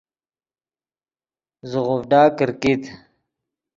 زیغوڤڈا کرکیت